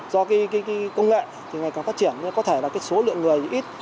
do công nghệ ngày càng phát triển có thể số lượng người ít